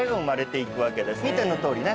見てのとおりね